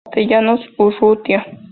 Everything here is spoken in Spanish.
Castellanos Urrutia.